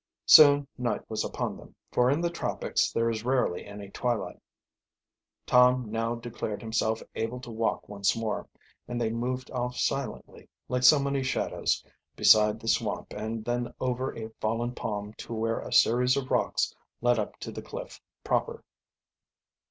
Soon night was upon them, for in the tropics there is rarely any twilight. Tom now declared himself able to walk once more, and they moved off silently, like so many shadows, beside the swamp and then over a fallen palm to where a series of rocks, led up to the cliff proper.